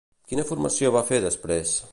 Quina formació va fer després?